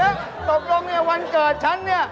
เดี๋ยวตกลงวันเกิดฉัน